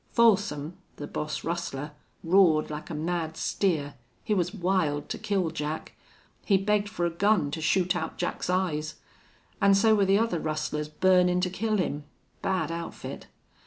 Folsom, the boss rustler, roared like a mad steer. He was wild to kill Jack. He begged for a gun to shoot out Jack's eyes. An' so were the other rustlers burnin' to kill him. Bad outfit.